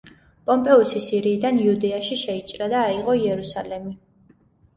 პომპეუსი სირიიდან იუდეაში შეიჭრა და აიღო იერუსალემი.